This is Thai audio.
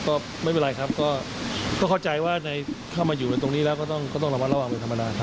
ก็ไม่เป็นไรครับก็เข้าใจว่าถ้ามาอยู่ในตรงนี้แล้วก็ต้องระมัดระวังเป็นธรรมดาครับ